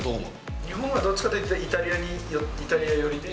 日本はどっちかというとイタイタリア寄り？